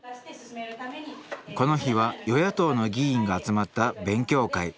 この日は与野党の議員が集まった勉強会。